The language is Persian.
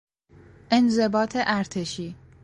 انضباط ارتشی